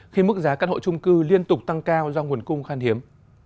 khi mức giá căn hộ trung cư liên tục tăng cao do nguồn cung khan hiếm